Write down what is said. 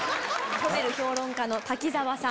ホテル評論家の瀧澤さん。